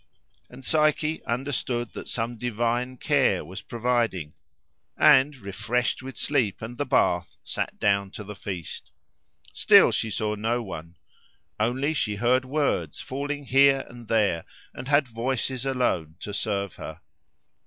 And Psyche understood that some divine care was providing, and, refreshed with sleep and the Bath, sat down to the feast. Still she saw no one: only she heard words falling here and there, and had voices alone to serve her.